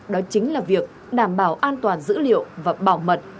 đó chính là việc đảm bảo an toàn dữ liệu và bảo mật